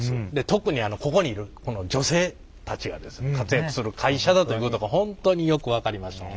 特にここにいる女性たちが活躍する会社だということが本当によく分かりました。